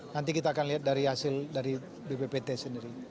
nanti kita akan lihat dari hasil dari bppt sendiri